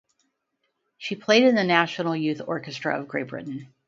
She played in the National Youth Orchestra of Great Britain.